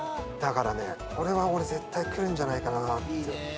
だからねこれは俺絶対くるんじゃないかなって。